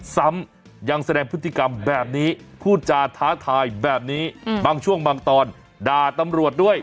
ซ้ำยังแสดงพฤติกรรมแบบนี้พูดจาท้าทายแบบนี้บางช่วงบางตอนด่าตำรวจด้วย